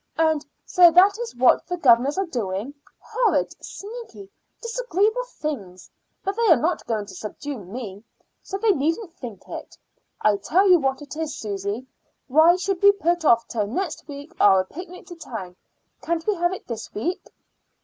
"And so that is what the governors are doing horrid, sneaky, disagreeable things! But they are not going to subdue me, so they needn't think it. I tell you what it is, Susy. Why should we put off till next week our picnic to town? Can't we have it this week?"